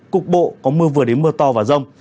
cục bộ có mưa vừa đến mưa to và rông